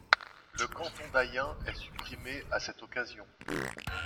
Le canton d'Ayen est supprimé à cette occasion.